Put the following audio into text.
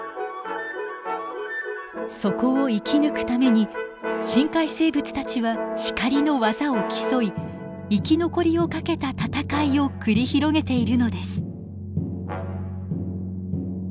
そこを生き抜くために深海生物たちは光の技を競い生き残りを懸けた戦いを繰り広げているのです。